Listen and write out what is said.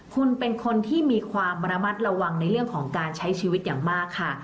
คุณเป็นคนที่มีความระมัดระวังในเรื่องของการใช้ชีวิตอย่างมากค่ะ